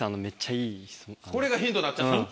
これがヒントになっちゃった。